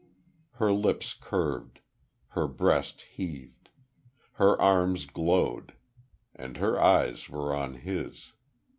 Her lips curved. Her breast heaved. Her arms glowed. And her eyes were on his....